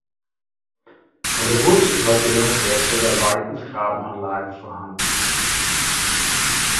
Von der Burg sind heute nur noch Reste der Wall- und Grabenanlagen vorhanden.